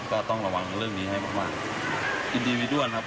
ก็ต้องระวังเรื่องนี้ให้มากมากยินดีไปด้วนครับ